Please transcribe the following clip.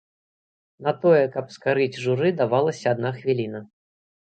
На тое, каб скарыць журы, давалася адна хвіліна.